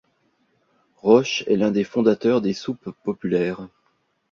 Roche est l’un des fondateurs des soupes populaires.